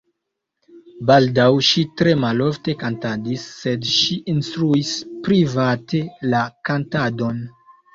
Baldaŭ ŝi tre malofte kantadis, sed ŝi instruis private la kantadon.